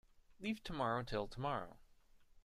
Leave tomorrow till tomorrow.